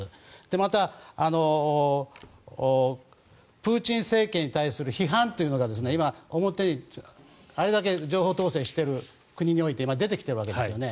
また、プーチン政権に対する批判というのが今、表にあれだけ情報統制している国において今出てきているわけですよね。